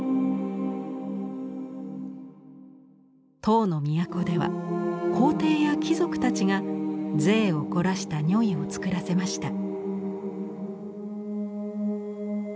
唐の都では皇帝や貴族たちが贅を凝らした如意を作らせました。